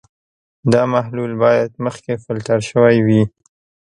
دا محلول باید مخکې فلټر شوی وي.